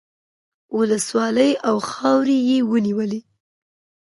ولسوالۍ او خاورې یې ونیولې.